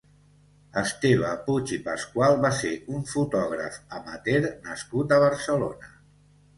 Esteve Puig i Pascual va ser un fotògraf amateur nascut a Barcelona.